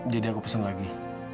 jadi aku pesan lagi